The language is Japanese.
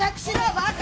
バカ！